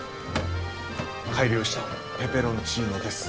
改良したペペロンチーノです。